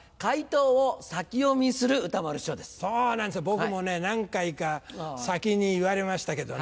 僕もね何回か先に言われましたけどね